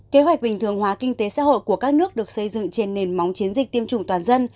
kế hoạch bình thường hóa kinh tế xã hội của các nước được xây dựng trên nền móng chiến dịch tiêm chủng toàn dân